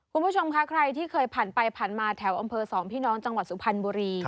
คุณผู้ชมคะใครที่เคยผ่านไปผ่านมาแถวอำเภอสองพี่น้องจังหวัดสุพรรณบุรี